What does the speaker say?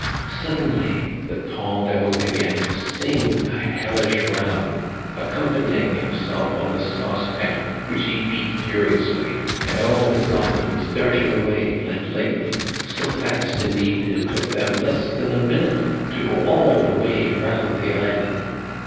' "Suddenly the tall devil began to sing a hellish round, accompanying himself on the saucepan, which he beat furiously, and all the goblins darted away like lightning — so fast, indeed, that it took them less than a minute to go all the way around the island.